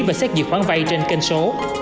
và xét dự khoản vay trên kênh số